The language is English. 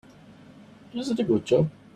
Is it a good job?